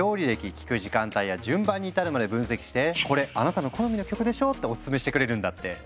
聴く時間帯や順番に至るまで分析して「これあなたの好みの曲でしょ？」ってオススメしてくれるんだって。